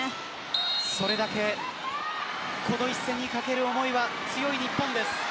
それだけ、この一戦にかける思いが強い日本です。